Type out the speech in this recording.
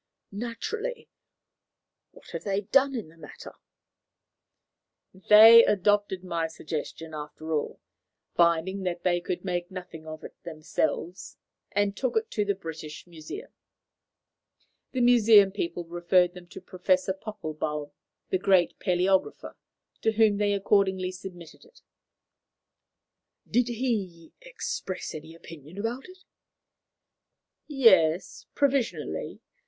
"Naturally. What have they done in the matter?" "They adopted my suggestion, after all, finding that they could make nothing of it themselves, and took it to the British Museum. The Museum people referred them to Professor Poppelbaum, the great palæographer, to whom they accordingly submitted it." "Did he express any opinion about it?" "Yes, provisionally.